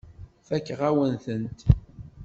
Fakeɣ-awen-tent.